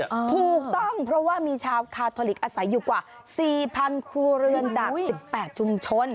ถูกต้องเพราะว่ามีชาวคาทอลิกอาศัยอยู่กว่า๔๐๐ครัวเรือนจาก๑๘ชุมชน